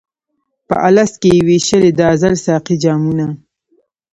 په الست کي یې وېشلي د ازل ساقي جامونه